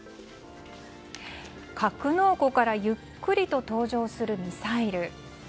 格納庫からゆっくりと登場するミサイル。